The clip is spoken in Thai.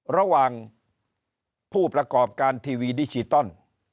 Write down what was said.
ระหว่างผู้ประกอบการทีวีดิจิตอล